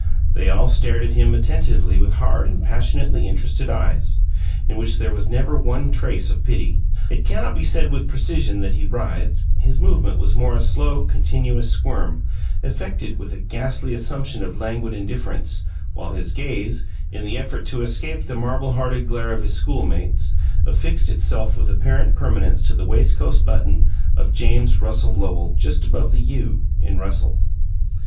They all stared at him attentively with hard and passionately interested eyes, in which there was never one trace of pity. It cannot be said with precision that he writhed; his movement was more a slow, continuous squirm, effected with a ghastly assumption of languid indifference; while his gaze, in the effort to escape the marble hearted glare of his schoolmates, affixed itself with apparent permanence to the waistcoat button of James Russell Lowell just above the "U" in "Russell."